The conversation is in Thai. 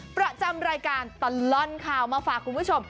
ประจำรายการตลอดข่าวมาฝากคุณผู้ชม